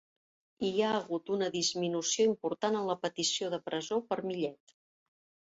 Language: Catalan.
Hi ha hagut una disminució important en la petició de presó per Millet